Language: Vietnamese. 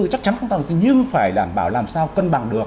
chắc chắn không cao được như tư nhưng phải đảm bảo làm sao cân bằng được